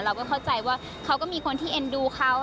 เราก็เข้าใจว่าเขาก็มีคนที่เอ็นดูเขา